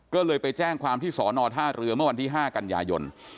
ก็เลยไปแจ้งความที่สอนอท่าเรือเมื่อวันที่๕กันยายน